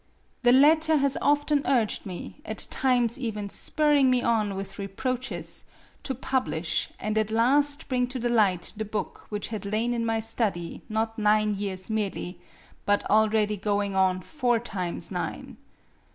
The latter has often urged me, at times even spurring me on with reproaches, to publish and at last bring to the light the book which had lain in my study not nine years merely, but already going on four times nine.